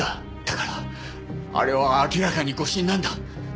だからあれは明らかに誤審なんだ。